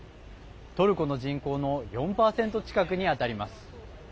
トルコの人口の４％近くにあたります。